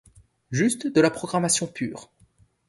Juste de la programmation pure.